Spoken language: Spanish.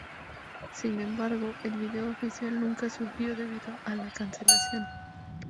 Sin embargo, el video oficial nunca surgió debido a la cancelación.